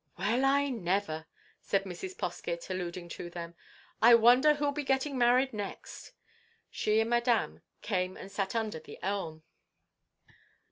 "Well, I never!" said Mrs. Poskett, alluding to them. "I wonder who'll be getting married next!" She and Madame came and sat under the elm.